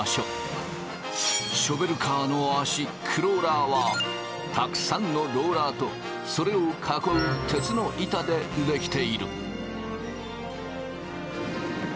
ショベルカーの足クローラーはたくさんのローラーとそれを囲う鉄の板で出来ている。